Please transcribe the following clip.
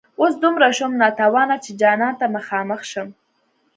اوس دومره شوم ناتوانه چي جانان ته مخامخ شم